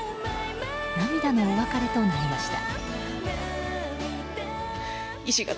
涙のお別れとなりました。